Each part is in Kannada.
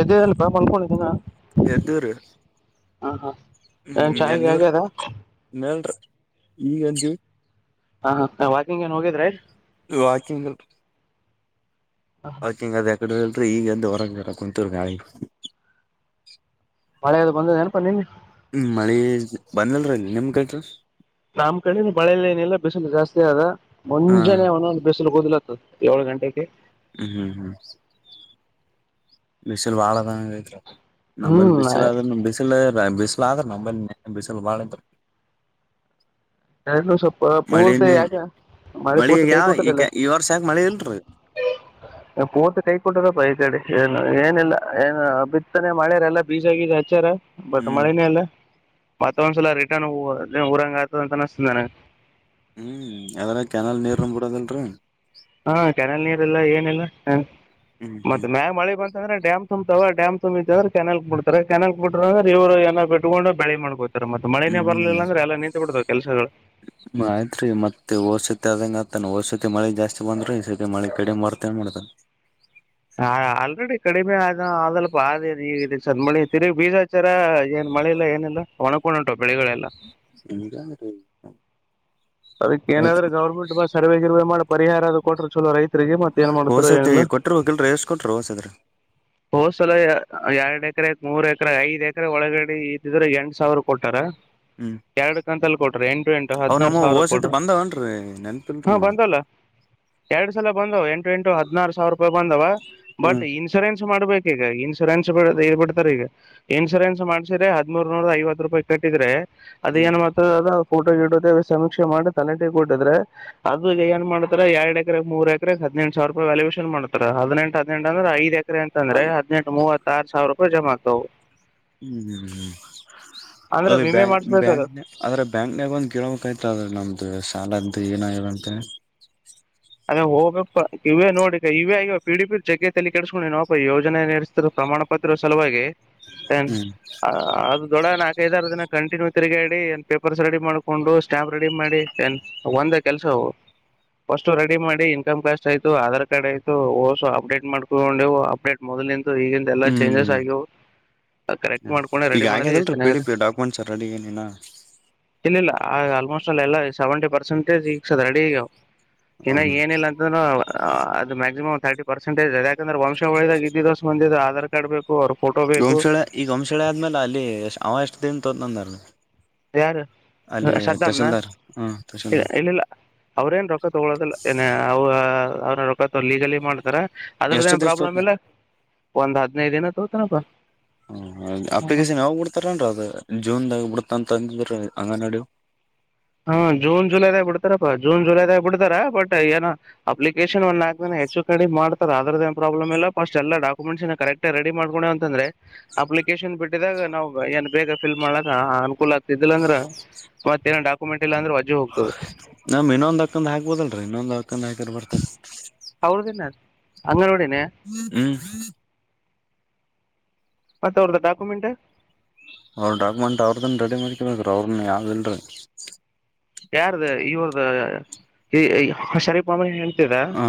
ಎದ್ದಿ ಏನ್ ಪಾ ಮಂನ್ಕೊಂಡಿ ಎದೂರ ಹಾಂ ಏನು ಹ್ಮ್ ಚಾಯ್ಗೆ ಎನೂರ್ ಆಗ್ಯದ ಇನ್ನಲ್ರಿ ಈ ಎಜ ಹಾ ಹ ವಾಕಿಂಗ್ ಏನ್ ಹೋಗಿದ್ರ ವಾಕಿಂಗ ಹೌತಿಂಗ ಅದ ಕಡಲ್ರಿ ಈಗಂದ ಹೊರಗಾರ ಕುಂತೂರ್ ನಾಳಿ ಮಳೆದು ಬಂದೆನಪಾ ನಿನ್ ಹ್ಮ ಮಳಿ ಬಂದಲ್ರ ಇಲ್ಲಿ ನಿಮ್ ಕೈಟ ನಮ್ ಕಡೆ ಬಳೆಲ್ಲ ಏನಿಲ್ಲ ಬಿಸಲು ಜಾಸ್ತಿ ಆದದ ಹಾ ಮುಂಜಾನೆ ಒೊ ಬಿಸಲುಗ್ ಓದ್ಿಲ್ಲ ಏಳ ಗಂಟೆಕ್ಕೆ ಹ್ಮ್ ಹ್ಮ್ ಹ್ಮ್ ಇಿಸಲ್ ಬಾಳದ ಐತ್ ನಂಬಲ್ಲಿ ಹ್ಮ್ ಬಿಸಿಲು ಆದ್ರೆ ಬಿಸಿಲು ಬಿಸಿಲು ಆದ್ರ ನೇಲೆ ಬಿಸಿಲು ಬಾಳ ಎರಡು ದಿವ ಸ್ವಪ ಪೂರ್ತಿ ಮಳಿನೇ ಯಾಕ ಮಾಡಿ ಮಳಿ ಪೂರ್ತಿ ಕೈ ಯಾವ ಕೊಟ್ಟದಲ್ಲ ಈಗ ಈ ವರ್ಷ ಯಾಕ ಮಳಿ ಇಲ್ರಿ ಪೂರ್ತಿ ಕೈ ಕೊಟ್ಟದಪ್ಪ ಕಡೆ ಏನು ಏನಲ್ಲ ಏನು ಬಿತ್ತನೆ ಮಳೆಯ ಎಲ್ಲ ಬೀಜ ಆಗಿದ ಹಚ್ಚಾರ ಬತ್ ಹ್ಮ್ ಮಳನೇ ಅಲ್ಲ ಮತ್ತೊ ಒಂದ್ಸಲ ರಿಟರ್ನ್ ಊರಂಗ ಆತದ ಅಂತ ಾನ ಹ್ಮ್ ಅದಾರ ಕೆ್ಯನಲ್ ನೀರ ಬಿಡದಲ್ರರಿ ಹಾ ಕೆರೆಳ ನೀರೆಲ್ಲಾ ಏನೆಲ್ಲ ಹ್ಮ್ ಹ್ಮ್ ಮತ್ತೆ ಮ್ಯಾ ಮಳೆ ಬಂತ ಅ್ರ ಡ್ಯಾಮ ತು್ತಾವ ಡಾಮ್ು್ಿ ಅಂದ್ರೆ ಕೆನಲ್ ಬಿಡ್ತಾರೆ ಕೆನಲ್ ಬಿ್ರ ಇವರುಏನನು ಬಿಟ್ಕೊಂಡು ಬೆಳಿ ಮಾಡ್ಕೋದು ಮಳೆೇ ಬರ್ಿಲ್ಲ ಅಂದ್ರೆ ಎಲ್ಲ ನಿಂತು ಕೊಡ್ತ ಕೆಲಸಗಳು ಹ ಆಯ್ತ್ೀ ಮತ್ತೆ ಓರ್ ಸತಿ ಆದಂಗ ಆತಾನ ಹೊರ್ಸತಿ ಮಳೆ ಜಾಸ್ತಿ ಬಂದ್ರಿ ಈ ಸತಿ ಮಳೆ ಕಡಿಮೆ ಬರ್ತ ನ್ ಮಾಡ್ತಾನ ಆ ಆಲ್ರೆಡಿ ಕಡಿಮೆ ಆದ ಆದಲ್ಪ ಆದೇ ಈಗ ಇದ ಸ ಮಿ ತಿಗಗ್ ಬೀಜ ಹಚಾರ ಏನ್ ಮಳೆ ಇಲ್ಲ ಏನಿಲ್ಲ ಒಣ್ಕೊಂಡು ಉಂಟು ಎಮಗ ರ ಅದಕ್ಕ ಏನಾದ್ರೂ ಗೌರ್ಮೆಂಟ್ ಮ ಸರ್ವೆ ಗಿರ್ೇ ಮಾಡಬೇಕ ಪರಿಹಾರ ಅದು ಕೊಟ್ಟ್ರರು ಚಲೋ ರೈ ಮತ್ತ ಏನ್ ಮಾಡ್ತಾರ ಹೋಸತಿ ಏನಲ್ಲ ಕೊಟ್ಟಿರ್ಬೇಕಲ್ರರಿ ಎಷ್ಟ್ ಕೊಟ್ರ ಹೋಸದ್ರ ಹೋ್ಸಲ ಎಾರ್ಡೆ ಎಕರೆ ಮೂರು ಎಕರೆ ಐದು ಎಕರೆ ಒಳಗಡೆ ಇದ್ದಿದ್ರೆ ಎಂಟು ಸಾವಿರ ಕೊಟ್ಟಾರ ಹ್ಮ್ ಎರಡು ಕಂತಲ್ಲಿ ಕೊಟ್ರೆ ಎಂಟು ಎಂಟು ಅವ್ ಹದಿನಾರು ನಮ್ಮ ಹೋಸತಿ ಸಾವಿರ ಬಂದವನ್ರಿ ನೆನ್ಪಿಲ್ರಿ ಹಾ ನಮಗ ಬಂದಲ್ಲ ಎರಡು ಸಲ ಬಂದವ ಎಂಟು ಎಂಟು ಹದಿನಾರು ಸಾವಿರ ರೂಪಾಯಿ ಬಂದವ ಬಟ್ ಹ್ಮ್ ಇನ್ಸೂರೆನ್ಸ್ ಮಾಡ್ಬೇಕ ಈಗ ಇನ್ಸೂರೆನ್ಸ್ ಇ ಬಿಡ್ತಾರೆ ಈಗ ಇನ್ಸೂರೆನ್ಸ್ ಮಾಡ್ಸಿದ್ರ ಹದಿ್ಮೂರ್ ನೂರ ಐವತ್ ರೂಪಾಯಿ ಕಟ್ಟಿದ್ರೆ ಅದ ಹ್ಮ್ ಏನ್ ಮಾಡತದ ಅದ ೋಟೋ ಕಟ್ಟೋ ಮಾಡಿ ತಲೆಟಿ ಕೊಟ್ಟಿದ್ರ ಅದು ಏನ್ ಮಾಡ್ತಾರೆ ಎರಡ್ ಎಕರೆ ಮೂರು ಎಕರೆ ಹದೆಂ ಸಾವರ ರೂಪಾಯಿ ವ್ಯಾಲ್ಯೇಷನ್ ಮಾಡ್ತ ಹದಿನೆಂ ಹದಿನಂಟ ಅಂದ್ರೆ ಐದು ಎಕ ಅಂದ್ರೆ ಅದ ಹದಿನಂು ಮೂವತ್ತತ್ ಸಾವಿರ ಜಮತ ಹ್ಮ್ ಹ್ಮ್ ಹ್ಮ್ ಅಂದ್ರೆ ಅದು ಬ್ಯಾ ವಿಮೆ ಮಾಡ್ಸ್ಬೇಕದು ಬ್ಯಾಂಕ್ ಆದದ್ರೆ ಬ್ಯಾಂಕ್ನಾಗ ಒಂದ್ ಗಿಡಕ್್ತ ್ರೆ ನಮ್ದು ಶಾಲ ಅಂತ ಏನಾಗಿಂತಿ ಅದ ಹೋಗ್ಬೇಕ ಇವ ನೋಡಿ ಇವೇ ಇಗವ ಪಿ ಡಿ ಪಿ ಜಗಲ್ಲಿ ಕೆಡಸ್ಕೊಂಡು ನೀನವಪ ಯೋಜನೆರ್ಸ್ತಿರೋ ಪ್ರಮಾಣ ಪತ್ರದ ಸಲುವಾಗಿ ಹ್ಮ್ ಅದ ದೊಡ ನಾಲ್ಕೈದಾರ ದಿನ ಕಂಟಿನ್ಯೂ ತಿರುಗಾಡಿ ಏನ್ ಪೇಪರ್ಸ್ ರೆಡಿ ಮಾಡ್ಕೊಂಡು ಸ್ಟ್ಯಾಂಪ್ ರೆಡಿ ಮಾಡಿ ಏನ್ ಒಂದ ಕೆಲಸಸ್ ರೆಡಿ ಮಾಡಿ ಇನ್ಕಮ್ ಕ್ಯಾಕ್ಸ್ ಆಯತು ಆಧಾರ್ ಕಾರ್ಡ್ ಆಯ್ತು ಓಸ ಅಪ್ಡೇಟ್ ಮಾಡ್ಕೊಂಡುವು ಅಪ್ಡೇಟ್ ಮೊದಲಂತ ಈಗ ಎಲ್ಲಾ ಚೇಂಜಸ್ ಹ್ಮ್ ಆಗಿ ಕರೆಕ್ಟ್ ಮಾಡ್ಕೊಂಡೆ ಈಗ ರೆಡಿ ಮಾಡದು ಎಷ್ಟು ಆಗ್ಯದಲ್ರರಿ ಪಿ ಡಿ ಚೆನ್ನಾಗಿದೆ ಪಿ ಡಾಕ್ಯುಮೆಂಟ್ಸ್ ರೆಡಿ ಏನಿನ ಇನ್ನಿಲ್ಲ ಆ ಆಲ್ಮೋಸ್ಟ್ ಅಲ್ಲ ಎಲ್ಲ ಸೆವೆಂಟಿ ಪರ್ಸೆಂಟಜ ಸಿಕ್ಸದ ರೆಡಿಗ ಇನ್ನಾಗ ಏನಿಲ್ಲ ಅಂತೂ ಅದು ಮ್ಯಾಕ್ಸಿಮಮ್ ರ್ಟಿರ್ಸೆಟಜ್ ಂದ್ರೆ ವಂಶಳದಾಗ ಇದಿದ ಬಂದಿದ ಆಧಾರ್ ಸಬೇಕ ಗೋಮಶಳೆ ಈ ಗೋಮಶಳೆ ಆದ್ಮೇಲೆ ಅಲ್ಲಿ ಅವ ಎಷ್ಟ ಪ್ರ ತೊನ್ನ ಯಾರು ಸ್ದಾಮ್ನ ಹಾ ತಹಶೀಲ್ದಾರ್ ಇಲ್ಲಿಿಲ್ಲ ಅವ್ರೇನ್ ರೊಕ್ಕ ತಗಳೋದಿಲ್ಲ ಏನ ಅವ್ರ ರೊಕ್ಕ ಲೀಗಲಿ ಮಾಡ್ತಾರ ಎಷ್ಟ ಅದ್ರದ್ದಏನ ದಿವ್ಸ ತೋತ ಪ್ರಾಬ್ಲಮ್ ಇಲ್ಲ ಒಂದ್ ಹದ್ಿನೈದ ದಿನ ಹೌತನಪ್ಪ ಹ ಅಪ್ಲಿಕೇಶನ್ ಯಾವ್ ಬಿಡ್ತಾರನ್ರ ಅದು ಜೂನ್ದಾಗ ಬಿಡತ ಅಂತಂದ ಅಂಗನ ಹಾ ಜೂನ್ ಜುಲೈದಾಗ ಬಿಡ್ತಾರಪ್ಪಾ ಜೂನ್ ಜುಲೈದಾಗ ಬಿತಾರ ಬಟ್ ಏನ ಅಪ್ಲೇಶ ಹೆಚ್ಚು ಕಡೆ ಮಾಡ ಅದ್ರದ ಏನ್ ಪ್ರಾಬ್ಲಮ್ ಇಲ್ಲ ಫಸ್ಟ್ ಎಲ್ಲ ಡಾಕ್ಯುಮೆಂಟ್ಸ್ ಕರೆಕ್ಟ್ ರೆಡಿ ಮಾಡ್ಕೊಂಡು ಅಂದ್ರೆ ಅಪ್ಲಿಕೇಶನ್ ಬಿಟ್ಟಿದಾಗ ನಾ್ ಏನ್ ಬೇಗ ಫಲ್ ಮಾಡಲ ಅ ಆ ಅನುಕೂಲ ಆಗ್ತಿದಿಲ್ಲ ಅಂದ್ರೆ ಮತ್ತ ಏ ಡಾಕ ಿಲ್ಲಂದ್ರೆ ನಮ ಇನ್ನೊಂದ್ ಹಕ್ಕಂದ ಹಾಕ್ಬೋದಲ್ರರಿ ಇನ್ನೊಂದ್ ಹಕ್ಕ ಕಮ್ಮ ಆಕರ್ ಬರ್ತದೆ ಅಂಗನೋೂ ಹ್ಮ್ ಮತ್ತ ಅವ್ರದ್ದ ಡಾಕ್ಯುಮೆಂಟ್ ಅವ್ರ ಡಾಕ್ಯುಮೆಂಟ್ ಅವ್ರ್ದನ್ನ ರೆಡಿ ಮಾಡ್ಕಬೇಕ ರೀ ಅವ್ರನ್ನ ಯಾವವುಲ್ರರಿ ಯಾರ್ದ ಇವ್ರದ ಶರಪ ಆ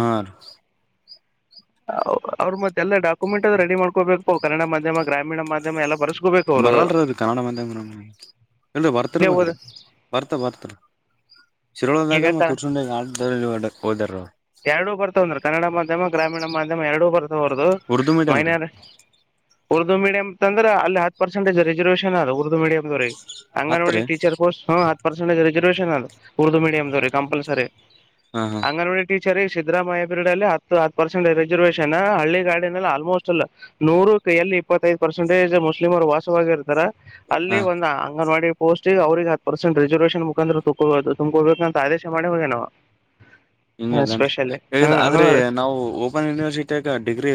ಅವ್ರ ಮತ್ತೆ ಎಲ್ಲ ಾಕ್ಯುೆಂಟ್ ಅ ರೆಡಿ ಮಾಡ್ಕಬೇಕು ಕನ್ನಡ ಮಾಧ್ಯಮ ಗ್ರಾಮೀಣ ಮಾಧ್ಯಮ ಎಲ್ಲ ಬರ್ಸ್ಕೋಬೇಕು ಅವ್ರದು ಬರಲ್ರೀ ಅದು ಕನ್ನಡ ಮ ಇಲ್ರರಿ ಬರ್ತರ ಇಲ್ಲೇ ಓದ ಬ್ರಿ ಬರ್ತ ಬರ್ತಾರ ಶಿರೊಳದಾಗ ಈಗ ಮತ್ತ ಉರ್ಸುಂಡೆ ಆ ಹದರೋ ಎರಡೂ ಬರ್ತಾವಂದ್ರ ಕನ್ನಡ ಮಾಧ್ಯಮ ಗ್ರಾಮೀಣ ಮಾಧ್ಯಮ ಎರಡೂ ಬರ್ತವೆ ಹದು ಉರ್ದು ಮೀಡಿಯಂ ರೀ ಮೈನಾರಿ ಉದು ಉರ್ದು ಮೀಡಿಯಂ ಅಂದ್ರೆ ಅಲ್ಲಿ ಹತ್ತು ಪರ್ಸೆಟೇಜ ರಿಸರ್ವೇನ್ ಅ ಉರ್ದು ಮೀಿಯ್ವರಿಗೆ ಅಂಗನವಾಡಿ ಹತ್ರಿ ಟೀಚರ್ ಕೋಸ್ ಹ ಪರ್ಸೆಟಜ್ ರರಿಜರ್ವೇಷನ್ ಅದು ಉರ್ದು ಮೀಡಿಯ ಕಂಪಲ್ಸರಿ ಹಾ ಹಾ ಅಂಗನ ಕರಿ ಸಿದ್ದರಾಮಯ್ಯ ಬಿರಡಲ್ಲಿ ಹತ್ತು ಹತ್ತು ಪರ್ಸೆಂ ರಿಸರ್ವೇಷನ್ ಹಳ್ಳಿ ಗಾಡಿನಲ್ಲಿ ಆಲ್ಮೋಸ್ಟ್ ಅಲ್ಲ ನೂರ ಕ ಎಲ್ಲಿ ಇಪ್ಪತ್ತೈದು ಪರ್ಸೆಂಟೇಜ್ ಮುಸ್ಲಿಮರ್ ವಾಸವಾಗಿರ್ತಾರ ಹಾ ಅಲ್ಲಿ ಒಂದ ಅಂಗನವಾಡಿ ಪೋಸ್ಟ್ ಗ ಅವ್ರಿಗೆ ಹತ್ತು ಪರ್ಸೆಂಟ್ ರಿಸರ್ವೇೇಶನ್ ಮುಖಾಂದ್ರ ತಕೊಬದು ತುಂಬಕೋಬೇಕ ಅಂತ ಆದೇಶ ಮಾಡಿ ಹೋಗೇ ನಾವವು ಹಂಗ ಅದೇನ್ ಹೇಗ ಆದ್ರೆ ನಾವು ಓಪನ್ ಯೂನಿವರ್ಸಿಟಿಾಗ ಡಿಗ್ರಿ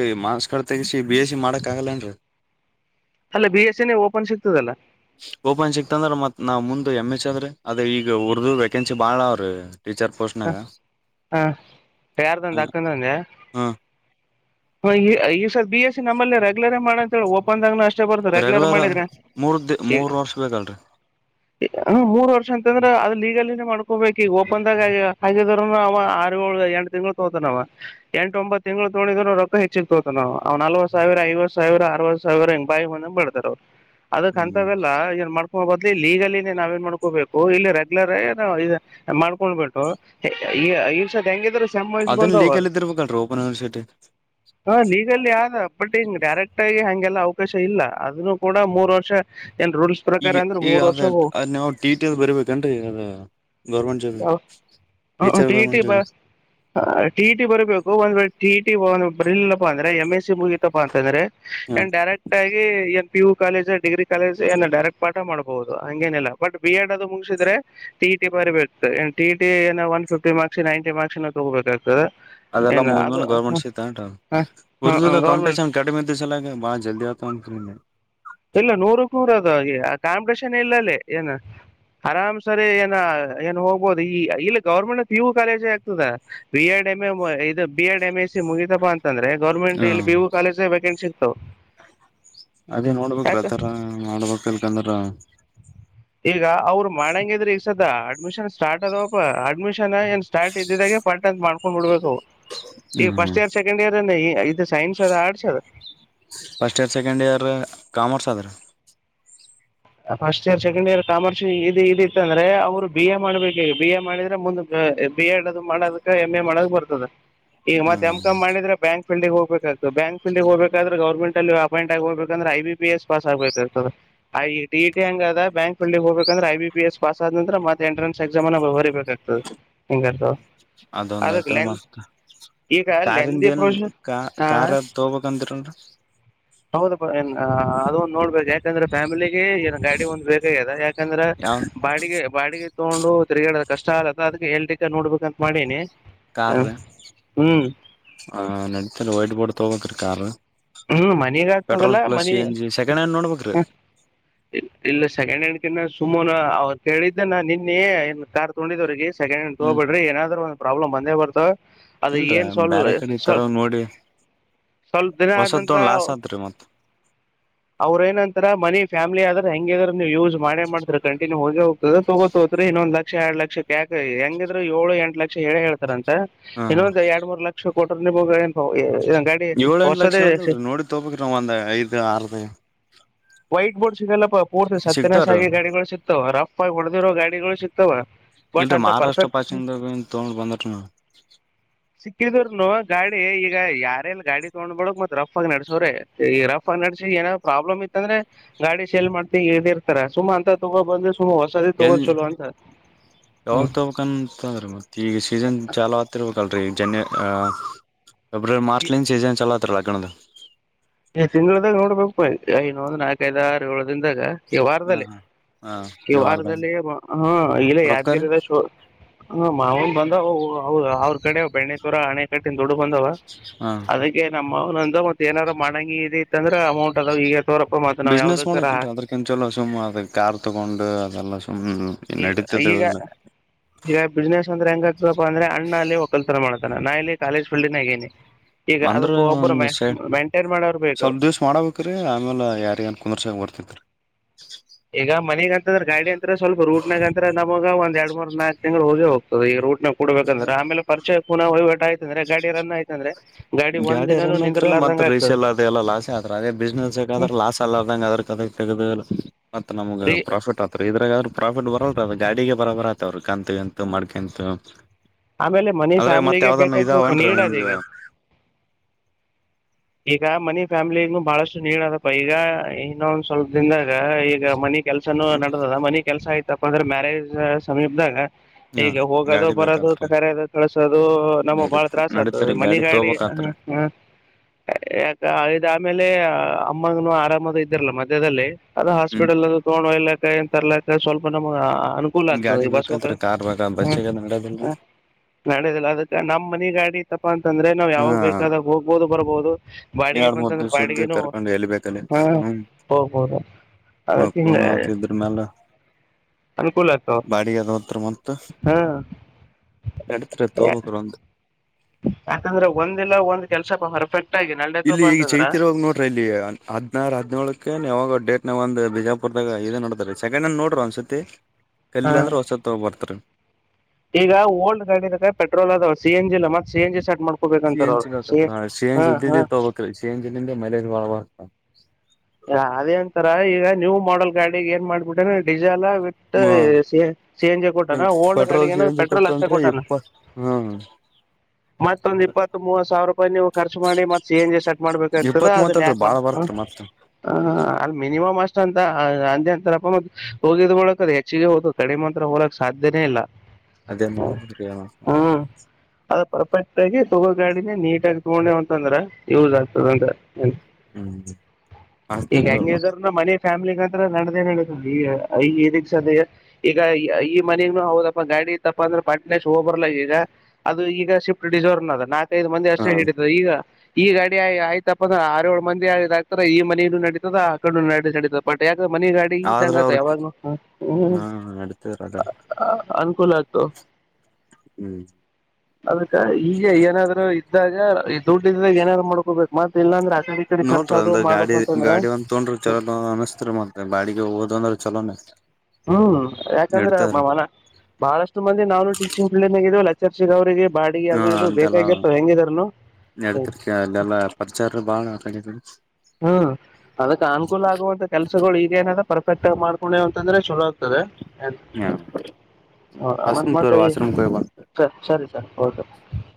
ಕಡೆ ತೆಗಸಿ ಬಿ ಎಸ್ ಸಿ ಮಾಡಕ್ ಆಗಲ್ಲೇನ್ರರಿ ಅಲ್ಲ ಬಿ ಎಸ್ ಎ ಓಪನ್ ಸಿಗ್ತದಲ್ಲ ಓಪನ್ ಸಿಕ್ತಂದ್ರ ಮತ್ ನಾವ್ ಮುಂದ ಎಮ್ ಎಚ್ ಅದ್ರೆ ಅದ ಈಗ ಉರ್ದು ವೇಕೆನ್ಸಿ ಬಾಳ ಅವ್ರೀ ಹ ಹಾ ಯಾರದಂದು ತಕ್ಕಂತಂದೆಯ ಹ ಹ ಈ ಸರ್ ಬಿ ಎ ಸಿ ನಮ್ಮಲ್ಲಿೆ್ಯಲರ್ ಮಾಡ ಅಂತ ಹೇಳಿ ಓಪಂದದಾಗ ನ ಅಷ್ಟ ರೆಗ್ಯುಲರ್ ಮೂರ್ ದ ಮೂರ್ ವರ್ಷ ಬೇಕಲ್ರರಿ ಮೂರು ವರ್ಷ ಅಂತಂದ್ರೆ ಅದ ಲೀಗಲಿನೇ ಮಾಡ್ಕೋಬೇಕಕ್ ಈಗ ಓಪನ್ದಾಗ ಆಗ ಹಾಗಿದ್ರ ಅವ ಆರುಳ ಎಟಟ್ ತಿಂಗಂಗಳು ತೋತಾನವ ಎಂಟ ಒಂಬತ್ತು ತಿ್ಗಳು ತೋೊಂಡಿದ್ ರೊಕ್ಕ ಹೆಚ್ಚಿಗ್ ತೋತಾನ ಅವ ಅವ್ ನಲ್ವತ್ ಸಾವಿರ ಐವತ್ತು ಸಾವಿರ ಅರವತ್ ಸಾವಿರ ಹಂಗ್ ಬಾಯಿ ಹೊಂದ ಬಡತಾರ ಅವ್ ಅದಕ್ ಹ್ಮ್ ಅಂತವೆಲ್ಲ ಏನ್ ಮಾಡ್ಕೊಂಡ ಬ ಲ್ಲಿ ಲೀಗಲಿ ನಾವೇನ್ ಮಾಡ್ಕೋಬೇಕು ಇಲ್ಲಿ ರೆಗ್ಯುಲರ್ ಮಾಡ್ಕೊಂಡಬೇು ಹ ಈ ಈರ್ ಸದ ಹೆಂಗಿದ್ರರು ಅದನ್ ಲೀಗಲ್ ಇದಿರ್ಬೇಕಲ್ರರಿ ಓಪನ್ ಯೂನಿವರ್ಸಿಟಿ ಲೀಗ ಆದ ಬಟ್ ಹ ಡರೆಕ್ಟ್ ಆಗ ಲ್ಲ ಅವಕಾಶ ಇಲ್ಲ ಅದೂ ಕೂಡ ಮೂರ್ ವರ್ಷ ಏನ್ ರೂಲ್ಸ್ ಈಗ ಪ್ರಕಾರ ಅಂದ್ರೆ ಈಗ ಮೂರ್ ವರ್ಷ ಅದ ಅದ್ ನಾವು ಟಿ ಟಿಲ್ ಬರಿಬೇಕನ್ೀ ಈ ಅದ ಗೌರ್ಮೆಂಟ್ ಜಾಬಗೆ ಹ ಟಿ ಟಿ ಬ ಟಿ ಟಿ ಬರ್ಬೇಕು ಒಂದ್ ವೇಳ ಟಿಟಿ ಬರಲಪ್ಪ ಅಂದ್ರೆ ಎಂ್ ಎಸ್ ಮುಗಿತಪ್ಪಾ ಅಂತಂದ್ರೆ ಹ ಏನ್ ಡೈರೆಕ್ಟ್ ಆಗಿ ಏ P U college degree college ಏನು ಡೈರೆಕ್ಟ್ ಪಾಠ ಮಾಡ್ಬಹುದು ಹಂಗೇನಿಲ್ಲ ಬಟ್ ಬಿ ಎಡ್ ಅದು ಮುಗಿಸಿದ್ರೆ ಟಿ ಟಿ ಬರಬೇಕು ಟಿ ಇಟಿ ಏನ ಒನ್ ಫಿಫ್ಟಿ ಮಾರ್ಸ್ ನೈನ್ಟಿ ಮಾರ್ಕ್ಸ್ಏ ತಗೋಬೇಕು ಅದೆಲ್ಲ ಮುಗಿದ್ಮೇಲೆ ಗೌರ್ಮೆಂಟ್ ಶೀ ತಂಟ ಹ ಹ ಉರ್ದದ ಗೌರ್ಮೆಂಟ್ ಕಂಪಿಟಷನ್ ಕಡಿಮೆ ದಿವ್ಸಲಾಗ ಬಾಳ ಜಲ್ದಿ ಆಗ್ತಿ ಇಲ್ಲ ನೂರಕ್ ನೂರ ಅದು ಕಾಂಪಿಟೇಷನ್ ಇಲ್ಲ ಅಲ್ಲಿ ಏನು ಆರಾಮ್ ಸರಿ ಏನ ಏನು ಹೋಗ್ಬೋದು ಈ ಇಲ್ಲ ಗೌರ್ಮೆಂಟ್ ಇವು ಕಾಲೇಜಿ ಆಗ್ತದ ಬಿ ಎಡ್ ಎಮ್ ಎ ಇ B Ed M S C ಮುಗಿತಪ್ಪ ಅಂದ್ರೆ ಗರ್ಮೆಂಟ್ ಹ ಇ ಬಿವು ಕಾಲೇಜ ವೇಕೆನ್ಸಿ ಹ ಅದೇ ನೋಡ್ಬ್ರ ಆತರ ನೋಡ್ಬಕ್ಲ್ಕಂದ್ರ ಈಗ ಅವರು ಮಾಡಂಗಿದ್ರೆ ಈ ಸದ ಆ ಅಡ್ಮಿಷನ್ ಸ್ಟ್ದಪ್ಪ ಅಡ್ಮಷನ್ ನ್ ಸ್ಟಾರ್ಟ್ ಇದ್ದಿದಾಗೆ ಫ ಅಂತ ಮಾಡ್ಕೊಂಡ್ ಬಿಡ್ಬೇಕು ಈಗ ಹ್ಮ್ ಫಸ್ಟ್ ಇಯರ್ ಸೆಕೆಂಡ್ ಇಯರ್ ಇದು ಸೈನ್ಸ್ ಅದ ಆರ್ಟ್ಸ್ ಅದ first year second year commerce ಆದ್ರ first year second year commerce ಇ ಇದಿತ್ತ ಅಂದ್ರೆ ಅವ್ರು ಬಿ ಎ ಮಾಡ್ಬೇಕ ಬಿ ಎ ಮಾಡಿದ್ರೆ ಮುಂದ ಬಿ ಎಡ್ ಅದು ಮಾಡದಕ ಎಮ್ ಎ ಮಾಡೋಕ್ ಬರ್ತದ ಈಗ ಮತ್ೆ ಎಮ್ ಹ್ಮ್ ಕಮ್ ಮಾಡಿದ್ರೆ ಬ್ಯಾಂಕ್ ಫಲ್ ಹೋಗಬೇಕ್ತದೆ ಬ್ಯಾಂಕ್ ಫಲ್ಗೆ ಹೋಗ್ಬೇಕಾದ್ರೆ ಗರ್ಮೆಂಟ್ಲ್ಲಿ ಅಪಾಯಿಂಟ್ ಆಗ ಹೋಗಬೇಕಂದ್ರೆ ಐ ಬಿ ಪಿ ಎಸ್ ಪಸ್ಗ್ಬೇಕಾಗ್ತದೆ ಟ ಇ ಟಿ ಹಂಗ ಅದ ಬ್ಯಾಂಕ್ಲ್ಲಿಿಗೆ ಹೋಗಬೇಕಂದ್ರೆ I B P S pass ಆದ ನಂತರ ಮತ್ತೆ ಎಂಟ್ರೆನ್ಸ್ ಎಕ್ಸಾಮ್ ಅ ಬರಬೇಕಾಗ್ತದೆ ಹಂಗರ್ತ ಅದೊಂದ್ಐ್ತರ ಮತ್ ಈಗ ಲೆಂದಿ ಕಾರಿಂದ ಏನ್ ಪ್ರೊಸ ಕಾ ಹಾ ಕಾರಾರ್ ತಗಬೇಕಕ್ಂತಿರನ್ ಹೌದ ಅದಂದು ನೋಡ್ಬೇಕು ಯಾಕಂದ್ರೆ ಫ್ಯಾಮಿಲಿ ಏಾ ಗಾಡಿ ಒಂದ್ ಬೇಕಗ ಅದ ಯಕೆ ಯಾಕಂದ್ರೆ ಯಾವ ಬಾಡಿಗೆ ಬಾಡಿಗೆ ತಗೊಂಡು ತಿರ್ಗಾಡದ ಕಷ್ಟ ಆಲತ್ತ ಅದಕ್ಕೆ ಹೇಳ್ಲಿಕ್ಕೆ ನೋಡ್ಬೇಕ ಅಂತ ಮಾಡೀಿನಿ ಕಾರ್್ರ ಆ ನಡೀತ ವೈಟ್ ಬೋರ್ಡ್ ತಗೋ ಕಾರ ಹ್ಮ್ ಮನಗ ಆಗ್ತದಲ್ಲ ಮನ ಇ ಜಿ ಸೆಕೆಂಡ್ ಹ್ಯಾಂಡ್ ನೋಡ್ಬೇಕ್ರಿ ಇಲ್ಲ ಸೆಕೆಂಡ್ ಹ್ಯಾಂಡ್ ಕನ್ನ ಸುಮನ ಅವ್ರು ಕೇಳಿದ್ದ ನ ನಿನ್ನೆ ಏನ್ ಕಾರ್ ತಗೊಂಡಿದ್ರರಿಗೆ ಸೆಂಡ ಹ್ಮ್ ತಗೋಬಡ್ರಿ ಏಾದ್ರುಂದು ಪ್ರಾಬ್ಲಮ್ ಬಂದೇ ಬರ್ತ ಅದು ಇಲ್ರ ಏನ್ ಸ್ಲ್ ಬೇರೆ ಕಡೆ ಈ ತರ ನೋಡಿ ಸ್ವಲ್ಪ ಆದ ಹೊಸದ್ ನಂತರ ತೊಗೊಂಡ್ ಲಾಸ್ ಆತ್ರಿ ಮತ್ ಅವ್ರ ಏನಂತರ ಮನ ಫ್ಯಾಮಿಲಿ ್ರೆ ಹೆಂಗಗೆ್ರ ಯೂಸ್ ಮಾಡ್್ರ ಕಂಟಿನ್ಯೂ ಹೋಗಿೋಗ ಅದ ತಗೋತೋತ್ರಿ ಇನ್ನೊಂದ್ ಲಕ್ಷ ಎರಡ್ ಲಕ್ಷ ಕಕ ಹೆಂಗಿದ್ರು ಏಳು ಎಂಟ ಲಕ್ಷ ಹೇಳೇ ಹೇಳ್ತಾರ ಅಂತ ಹಾ ಇನ್ನೊಂದು ಎರಡ್ ಮೂರ್ ಲಕ್ಷ ಸ್ೋಟನ ಬೋಗಾಯ ಇದ ಗಾಡಿ ಂಟ್ ಹೊಸದೇ ಲಕ್ಷದಲ್ರಿ ನೋಡಿ ತೋಬಬೇಕಕ್ ನಾವ್ ಒಂದ್ಐ್ ಆರ್ದ ವೈಟ್ ಬೋರ್ಡ್ ಸಿಗಲ್ಲ ಪೂರ್ತಿ ಸತ್ಯನ ಸಾಗಿಿ ಗಾಡಿಗಳು ಸಿಕ್ತವೆ ರ ಪ ಹೊಡೆದಿರೋ ಗಾಡಿಗಳು ಸಿಗ್ತಾವ ಇಲ್ಲ ಬಟ್ ಅಂತ ಮಹಾರಾಷ್ಟ್ರ ಪರ್ಫೆಕ್ಟ್ ಪಾಕ್ಷಿಂದ ತೋೊಂಡ ಬಂದಟ ಿದರ್ನು ಗಾಡಿ ಈಗ ಯಾರಲ್ಲಿ ಗಾಡಿ ತೊ್ೊಳಗ್ ಮೆ ರಫ್ ಆಗಿ ನಡೆಸೋವ್ರೆ ಈ ರಫ್ ಫೈನಾನ್ಸಲ್ ಏನಾದ ಪ್ರಾಬ್ಲಮ್ ಇತ್ತ ಅಂದ್ರೆ ಗಾಡಿ ಸೇಲ್ ಮಾಡ್ತ ಇ್ದಿರ್ತಾರ ಸುಮಾ ಅಂತ ತಗೋ ಬಂದ್ ಎಲ್ಲಿ ಯಾವಾಗ ಹ್ಮ್ ತೊಬೇಕಂತಂದ್ರೆ ಮತ್ತೆ ಈಗ ಸೀಸನ್ ಚಾಲ ಆತಿರ್ಬೇಕಲ್ೀ ಈಗ ಜನ್ ಹ ಎ ಈ ಮಸ್ಲಿನ್ ಸೀ ಚಲ ಪತ್ರ ಲಾಗಾಗಣದ ತಿಂಗಳದಾಗ ನೋಡ್ಬೇಕು ಐ ಒಂದಂದು ನಾಲ್ಕೈದಾರ ಅದ್ರಂದಾಗ ಹಾ ಕೆವಾರದಲ್ಲಿ ಹಾ ಹಾ ಕೆ ಇವಾರ್ದ ವಾರದಲ್ಲಿ ಹ ಇಲ್ಲ ರೊಕ್ಕರಿ ಯಾದಗಿರದ ಶೋ ಹ್ಮ ಮಾವನ್ ಬಂದ ಅವ್ರ ಕಡೆ ಬೆಣ್ಣೆ ತೋರ ಹಣೆ ಕಡೆ ದುಡ್ಡು ಬಂದವ ಹಾ ಅದಕ್ಕೆ ನಮ್ಮ ಹ ನ ನ ತ ಬಿಸ್ನೆಸ್ ಮಾಡಕಲ್ ಅದ್ರಕಂಚಲ ಸುಮ್ಮ್ ಅದ ಕಾರ್ ತಗೊಂಡು ಅದೆಲ್ಲ ಸ ಗ ಈಗ ಬಿಜನೆಸ್ ಅಂಗ ಅಂದ್ರೆಣ್ಣನಲ್ಲಿ ಒಕ್ಕಲ್ಸರ ಮಾಡೆ ನಾ ಇಲ್ಲಿ ಕಾಲೇಜ್ ಿನಗೇನನೆ ಅಂದ್ರ ಒಂದ ಸ ಮಾಡೋರ್ ಬೇಕು ಸ್ವಲ್ಪ ದಿವ್ಸ ಮಾಡಬೇಕ್ರೀ ಆಮೇಲೆ ಯಾರ ಕುಂದ್ರಸಗ ಬರ್ತತ್ರಿ ಈಗ ಮನೆಗ ಅಂತಂದ್ರೆ ಗಾಡಿ ಅಂತ ಸ್ವಲ್ಪ ರೂಟ್ನಾಗ ಅಂತ ನಮಗ ಒಂದ್ ಎರಡು ಮೂರ್ ನಾಲ್ಕ ತಿಂಗಳು ಹೋಗತದೆ ಈ ರೂಟ್ ನ ಕೊಡಬೇಕಂದ್ರೆ ಆಮೇ ಪರಿಚಯೂನ ವಹಿವಾಟಯ್ತಂದ್ರ ಗಾಿಯ ರ ಯ್ತಂದ್ರೆ ಗಾಡರನ್ತ್ರ ಮತ್ತ ಆಗ್ತದೆ ರೀಸೆಲ್ ಅದೆ ಎಲ್ಲ ಲಾಸ್ ಆದ್ರ ಅದೇ ಬಿಸ್ನೆಸ್ ಆದ್ರ ಹ್ಮ್ ಲಾಸ್ ಅಲ್ಲದಂಗ ಅದ್ರ ಅದ ತಗದುಲ್ಲ ಮತ್ತ ನಮಗ್ ರೀ ಪ್ರಾಫಿಟ್ ಆತ್ರ ಇದ್ರಾಗ ಆದ್ರ ಪ್ರಾಫಿಟ್ ಬರ ಗಾಡಿಗೆ ಬರಬರ್ ಆತವ್ರರು ಕಂತು ಕಂತು ಮಾಡ್ಕೊಂತು ಆಮೇಲೆ ಮನಿ ಫ್ಯಾಮಿಲಿಗೆ ಬೇಕಾದ ಸ್ವಲ್ಪ ಇದಾವೇನ್ರಿ ನೀದ ಹಿಂಗ ಈಗ ಈಗ ಮನಿ ಫ್ಯಾಮಿಲಿ ಬಹಳಷ್ಟು ನೀಡ್ದಪ್ಪ ಈಗ ಇನ್ನೊಂದ್ ಸ್ವಲ್ಪದಿಂದಾಗ ಈಗ ಮನಿ ಕೆಲಸನ ನಡೆದ ಮನೆ ಕೆಲಸ ಆಯ್ತು ಇಪ್ಪ ಅಂದ್ರೆ ಮ್ಯಾರೇಜ್ ಸಮೀಪದಾಗ ಹ ಈಗ ಹೋಗೋದು ಗಾಡಿ ಬರೋದು ಬೇಕತ್ರ ಕರದು ಕಳ್ಸೋದು ನಮ್ಮ ಬಾಳ ನಡೀತ್ ತ್ರಾಸ್ ನಡೀತಾರ ಆಗ್ತದೆ ಗಾಡಿ ಮನೆಗಾಡಿ ತಗೋಬೇಕಂತ್ರ ಯಾಕ ಇದ ಆಮೇಲೆ ಅಮ್ಮಂಗನು ಆರಾಮದು ಇದರ್ಲ್ಲ ಮಧ್ಯ್ಯದಲ್ಲಿ ಅದು ಹ್ಮ್ ಹಾಸ್ಪಿಟಲ್ ಅದು ತಗೊಂಡೋ ಇಲ್ಲ ಕಾಯಿಂತ ತರ್ಲಕ್ಕ ಸ್ವಲ್ಪ ನಮ್ಗ್ ಅನುಕೂಲ ಆಗ್ತದೆ ಗಾಡಿ ಈ ಬಸ್ ಬೇಕಂತ್ರ ಕಾರ್ ಬೇಕ ಹ ಬಸ್ಸಿಗೆ ನಡದಿಲ್ಲ ನಡದಿಲ್ಲ ಅದಕ್ಕೆ ನಮ್ಮ್ ಮನೆ ಗಾಡಿ ತಪ್ಪ ಅಂತಂದ್ರೆ ನಾವವು ಯಾವಾಗ ಬೇಕಾದಾಗ ಹೋಗ್ಬೋದು ಬರಬಹುದು ಏಳ್ ಮೂದ ದಿವಸ ಇದ್ದ ಕರ್ಕೊಂಡು ಎಳ್ಬೇಕಲ್ಲಿ ಹಾ ಹ್ಮ್ ಹೋಗ್ಬೋದು ಅದಕ್ಕೆ ಹಿಂಗ ಕೂನತಿದ್ರ ಮ್ಯಾಲ ಅನುಕೂಲ ಆಗ್ತಾವ ಬಾಡಿ ಅದ ಹತ್ರ ಮತ್ತ ಹಾ ನಡತ್ ತೋಬಕ್ರ ಒಂದು ಯಾಕಂದ್ರೆ ಒಂದಿಲ್ಲ ಒಂದ್ ಕೆಲ್ಸ ಪರ್ಫೆಕ್ಟ್ ಆಗಿ ಇಲ್ಲಿ ನಡೆತಪ್ಪ ಈಗ ಅಂತಂದ್ರ ಚೈತಿ ಇರವಾಗ ನೋಡ್ರಿ ಇಲ್ಲಿ ಹದ್ನಾರು ಹದ್ನೇಳಳಕ್ಕೆ ಯಾವಾಗ ಡೇಟ್ ನಾವ ಒಂದ್ ಬಿಜಾಪುರ್ದಾಗ ಇದ ನೋಡ್ದ ರ ಸೆಕೆಂಡ್ ಹಂಡ್ ನೋಡ್ರರು ಒನ್್ಸತಿ ಕಲ್ಲಿ ಹಾ ಅಂದ್ರೆ ಹೊಸ ತಗಬರ್ತರಿೀ ಈಗ ಓಲ್ಡ್ ಗಾಡಿ ಅೆ ಪೆಟ್ರೋಲ್ ಅದಾವ ಸಿ ಎನ್ ಜಿ ಮತ್ತ ಸಿ ಎನ್ ಜಿ ಸ ಸಿ ಎನ್ ಜಿ ಗಳ್ ತೋತರ ಸಿ ಎನ್ ಜಿ ಹಾ ಇದ್ದಿದೇ ಹೋಗಬೇಕು ಕಸಿ ಏನ್ ಜಿ ಲಿಂದೇ ಮೈಲಜ್ ಬಾಳ ಬರ್ತ್. ಹ ಅದೇ ಅಂತಾರಾ ಈಗ ನ್ಯೂ ಮಾಡಲ್ ಗಾಡಿಗಿ. ಮಾಡ್ಬಿಟ್ಟೇ diesel with C N G ಬೀಟ್ಟಾನ ಓಲ್ಡ್ ಗಾಡಿ ಪೆಟ್ರೋಲ್ ಸಿ ಏನ ಎನ್ ಜಿ ಪೆಟ್ರೋಲ್ ಅಷ್ಟೇ ಕೊಟ್ಟನ್ರಿ ಕೊಟ್ಟಾನ ಇಪ್ಪತ್ ಹ್ಮ್ ಮತ್ತೊಂದ್ ಇಪ್ಪತ್ ಮೂವತ್ ಸಾವಿರ ರೂಪಾಯಿ ನೀವು ಖರ್ಚ ಮಾಡಿ ಮತ್ ಸಿ ಎನ್ ಜಿ ಸೆಟ್ ಮಾಡ್ಬೇಕಾಗ್ತದ ಇಪ್ಪತ್ ಅದನ್ ಮೂವತ್ತಲ್ರಿ ಯಾಕ ಬಾಳ ಮಾಡ್ ಬರ್ತ್ರಿ ಮತ್ ಹ ನೀವ್ ಮಸ್ತ್ ಅಂತ ಅಂದೀ ಅಂತಾರಪ್ಪ ಮ ಹೋಗಿದ್ ಬಳಕ್ ಅದು ಹೆಚ್ಚಿಗೆ ಹೊತದ ಕಡಿಮ ಅಂತ್ರು ಹೋಗಕ್ ಸಾಧ್ಯನೇ ಇಲ್ಲ. ಅದೇ ನೋಡಮ್ಮ ಕೇಳಂ ಹ್ಮ್ ಅದ ಪರ್ಫೆಕ್ಟ್ ಆಗಿ ತಗೋ ಗಾಡಿನೇ ನೀಟ್ ಆಗಿ ತಗೊಂಡೇವ ಅಂತಂದ್ರ ಯೂಸ್ ಆಗ್ತದೆ ಅಂದೇ. [inaudible] ಅಷ್ಟನ್ ಈಗ ತೋರಿ ಹೆಂಗ ಮತ್ ಇದ್ರನು ಮನಿ ಫ್ಯಾಮ್ಲಿಗಗಂಧ್ರೆ ನಡದೇ ನಡತದೆ ಈ ಈ ಇದಕ್ ಸದ ಈಗ ಈ ಮನಿಗ್ನು ಹೌದಪ್ಪ ಗಾಡಿ ತಪ್ಪ ಅಂದ್ರೆ ಪಟ್ನ ಹೋಗ್ ಬರ್ಲ್ಲಕ ಈಗ ಅದು ಈಗ ಶಿಫ್ಟ್ ಡಿಸವರ್ ಅದ ನಾಕ್. ಐದು ಮಂದಿ ಹ ಅಷ್ಟೇ ಹಿಡಿತ ಈಗ. ಈ ಗಾಡಿ ಆಯ್ತಪ್ಪಂದ್ರೆ ಆರ್ ಏಳು ಮಂದಿ ಆ ಆಕ್ತರ ಈ ಮನೀ. ನಡೀತದ ಅಕಾಡಿನು ನಡಿತದ ಬಟ್ ಯಾಕ್ ಮನ ಗಾಡಿ ಆದ್ರ ಇದ್ದಂಗತ ಅವ್ರ ಯಾವಾಗ್ ಹ್ಮ ಹಾ ನಡತದ್ರ ಅದ ಅ ಅ. ಅನುಕೂಲ ಆತ ಹ್ಮ್ ಅದಕ್ಕ ಈಗ ಏನಾದ್ರು ಇದ್ದಾಗ ದುಡ್ಡ ಇದಾಗ ಏನಾದ್ರು ಮಾಡ್ಕೋಬೇಕು ಮತ್ ಇಲ್ಲಾ ಅಂದ್ರೆ ಆ. ಅಕಡಿ ಇಕಡಿ ಕರ್ಚು ನೋಡ್ರಿ ಅದುವು ಅಂದ್ರ ಮಾಡಬೇಕ ಗಾಡಿ ಗಾಡಿ ಒಂದ ತೊಂಡ್ರಾ ಚಲೋ ತೊಂದ ಅನಸ್ತ ರಿ ಮತ್ತ ಬಾಡಿಗೆ ಹೋದನ ಅಂದ್ರ ಚಲೋನೆ. [inaudible] ಹ್ಮ್ ಯಾಕಂದ್ರ ನಡತದ್ರಿ ಮನ ಬಳಷ್ಟು ಮಂದಿ ನಾನು ಟೀಚಿಂಗ್ ಫೀಲ್ಡ್ ಮಾಗ ಇದೀವಲ್ಲ. ಎಸ್ ಎಸ್ ಎಲ್ ಸಿ ದೇವ್ರಿಗೆ ಹ್ಮ ಅಂತೆಲ್ಲ ನಡ್ತಿರ್ಕ ಅಲ್ಲೆಲ್ಲಾ ಪರ್ಚಾರ ಬಾಳ ಕ. ಹ್ಮ್ ಅದಕ್ಕೆ ಅನುಕೂಲ ಆಗುವಟ ಕೆಲ್ಸಗಳು ಈಗೇನಾದ. ಪರ್ಫೆಕ್ ಆಗ್ ಮಾಡ್ಕೊಂವಿ ಅಂತದ್ರ ಚೊಲೋ. ತದ ಹ್ಮ ಹ ಮತ್ತ ಅಷ್ಟನ್ ಮತ್ತ ತೋರಿ ರಿ ವಾಶ್ರೂಮ್ ಹೋಗಿ ಬಾ ಸರ್ ಸರಿ ಸರಿ ಓಕೆ ಪಾ